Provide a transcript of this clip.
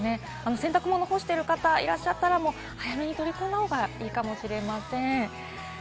洗濯物を干してる方いらっしゃったら、早めに取り込んだ方がいいかもしれません。